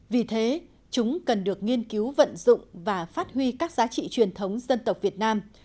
vì thế chúng cần được nghiên cứu vận dụng và phát huy các giá trị truyền thống dân tộc việt nam